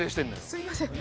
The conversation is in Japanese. すみません。